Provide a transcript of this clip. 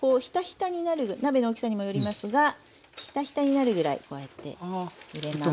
鍋の大きさにもよりますがひたひたになるぐらいこうやって入れます。